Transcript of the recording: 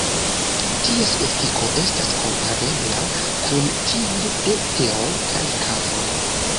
Ties efiko estas komparebla kun tiuj de teo kaj kafo.